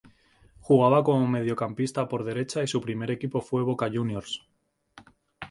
Jugaba como mediocampista por derecha y su primer equipo fue Boca Juniors.